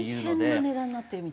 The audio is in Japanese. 大変な値段になってるみたい。